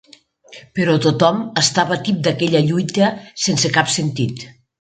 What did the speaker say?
Però tothom estava tip d'aquella lluita sense cap sentit